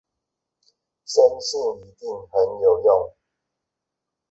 深信一定很有用